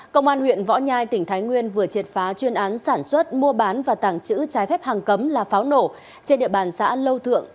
công an huyện võ nhai tỉnh thái nguyên vừa triệt phá chuyên án sản xuất mua bán và tàng trữ trái phép hàng cấm là pháo nổ trên địa bàn xã lâu thượng